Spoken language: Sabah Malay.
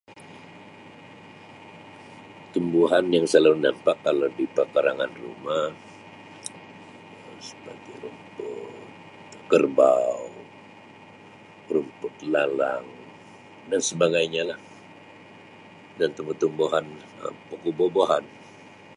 Tumbuhan yang salalu nampak kalau di perkarangan rumah seperti rumput kerbau, rumput lalang dan sebagainya lah dan tumbuh-tumbuhan seperti buah-buahan.